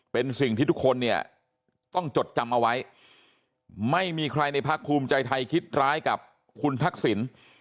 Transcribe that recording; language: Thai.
เป็นสิ่งที่ทุกคนเนี่ยต้องจดจำเอาไว้ไม่มีใครในพักภูมิใจไทยคิดร้ายกับคุณทักษิณ